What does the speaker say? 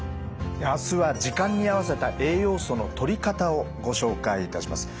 明日は時間に合わせた栄養素のとり方をご紹介いたします。